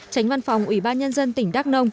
tránh văn phòng ủy ban nhân dân tỉnh đắk nông